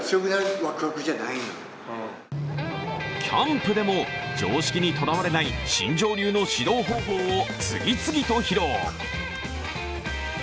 キャンプでも常識にとらわれない新庄流の指導方法を次々と披露。